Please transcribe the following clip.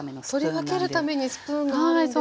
取り分けるためにスプーンがあるんですね。